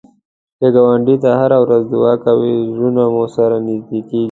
که ګاونډي ته هره ورځ دعا کوې، زړونه مو سره نږدې کېږي